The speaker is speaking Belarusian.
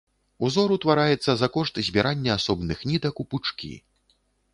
Узор утвараецца за кошт збірання асобных нітак у пучкі.